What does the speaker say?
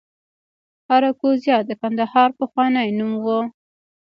اراکوزیا د کندهار پخوانی نوم و